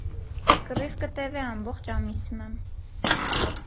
Կռիվը կը տեւէ ամբողջ ամիս մը։